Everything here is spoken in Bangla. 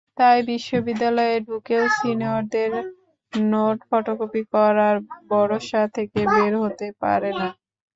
তাই বিশ্ববিদ্যালয়ে ঢুকেও সিনিয়রদের নোট ফটোকপি করার ভরসা থেকে বের হতে পারে না।